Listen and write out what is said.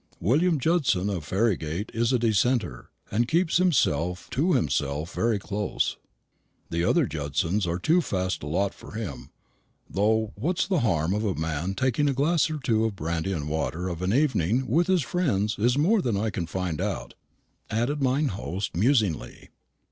William Judson of Ferrygate is a dissenter, and keeps himself to himself very close. The other Judsons are too fast a lot for him: though what's the harm of a man taking a glass or two of brandy and water of an evening with his friends is more than I can find out," added mine host, musingly.